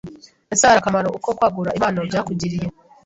Ese hari akamaro uko kwagura impano byakugiriye